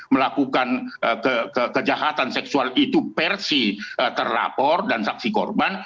melakukan kejahatan seksual itu versi terlapor dan saksi korban